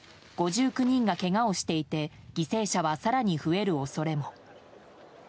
５９人がけがをしていて犠牲者は更に増える恐れも。